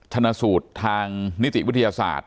ธรรมศูนย์ทางนิติวิทยาศาสตร์